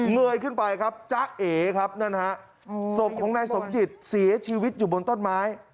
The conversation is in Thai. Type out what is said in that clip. เยยขึ้นไปครับจ๊ะเอ๋ครับนั่นฮะศพของนายสมจิตเสียชีวิตอยู่บนต้นไม้